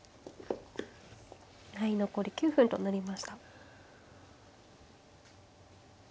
はい残り９分となりました。